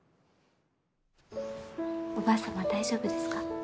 おばあ様大丈夫ですか？